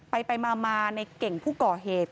ไปมาในเก่งผู้ก่อเหตุ